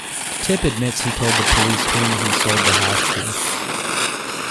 Tip admits he told the police whom he sold the hash to.